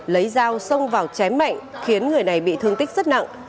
lấy dao xông vào chém mạnh khiến người này bị thương tích rất nặng